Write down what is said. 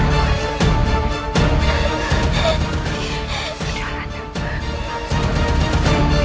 raja ibu nda